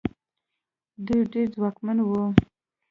دوی ډېر ځواکمن وو.